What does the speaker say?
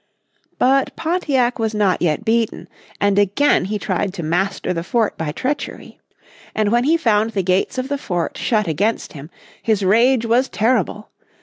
But Pontiac was not yet beaten, and again he tried to master the fort by treachery. And when he found the gates of the fort shut against him, his rage was terrible.